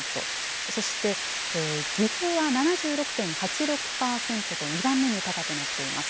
そして、岐阜は７６．８６％と２番目に高くなっています。